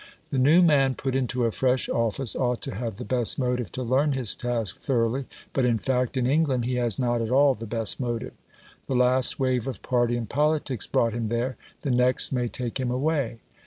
The new man put into a fresh office ought to have the best motive to learn his task thoroughly, but, in fact, in England, he has not at all the best motive. The last wave of party and politics brought him there, the next may take him away.